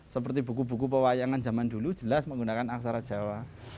seperti buku buku pewayangan zaman dulu jelas menggunakan aksara jawa